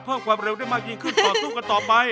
เพิ่มความเร็วได้มากยิ่งขึ้นต่อสู้กันต่อไป